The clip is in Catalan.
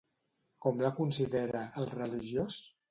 Com la considera, el religiós?